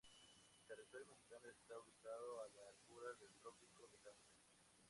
El territorio mexicano está ubicado a la altura del Trópico de Cáncer.